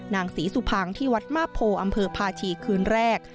นางศรีสุพังที่วัดมาพโพอำเภอพาชีคืนแรก